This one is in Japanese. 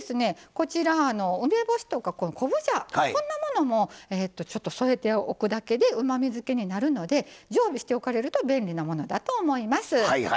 こちら梅干しとか昆布茶こんなものもちょっと添えておくだけでうまみづけになるので常備しておかれると便利なものだと思います。